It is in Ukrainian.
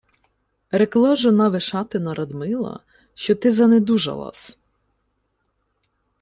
— Рекла жона Вишатина Радмила, що ти занедужала-с...